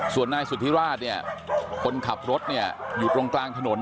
ส่วนนายสุธิราชเนี่ยคนขับรถเนี่ยอยู่ตรงกลางถนน